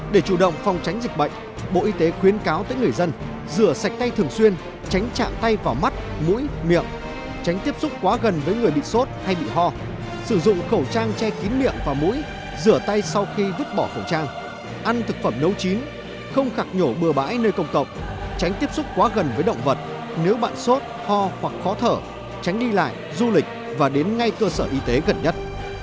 để chủ động phòng tránh dịch bệnh bộ y tế khuyến cáo tới người dân rửa sạch tay thường xuyên tránh chạm tay vào mắt mũi miệng tránh tiếp xúc quá gần với người bị sốt hay bị ho sử dụng khẩu trang che kín miệng và mũi rửa tay sau khi vứt bỏ khẩu trang ăn thực phẩm nấu chín không khạc nhổ bừa bãi nơi công cộng tránh tiếp xúc quá gần với động vật nếu bạn sốt ho hoặc khó thở tránh đi lại du lịch và đến ngay cơ sở y tế gần nhất